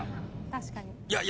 確かに。